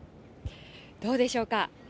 どうでしょうか。